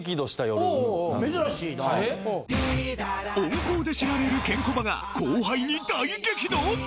温厚で知られるケンコバが後輩に大激怒！？